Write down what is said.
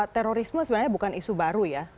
terorisme sebenarnya bukan isu baru ya